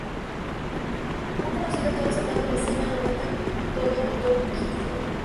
Un conocido que ha observado la escena, lo cuenta todo al Dr. Winkler.